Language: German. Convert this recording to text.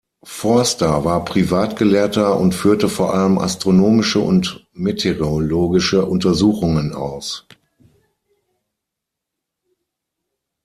Forster war Privatgelehrter und führte vor allem astronomische und meteorologische Untersuchungen aus.